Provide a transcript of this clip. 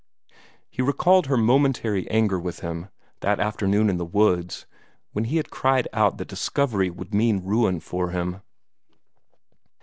He recalled her momentary anger with him, that afternoon in the woods, when he had cried out that discovery would mean ruin to him.